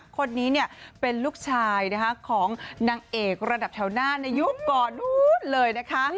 คนนี้เป็นลูกชายของนางเอกระดับแถวหน้าในยุคก่อนนู้นเลยนะคะ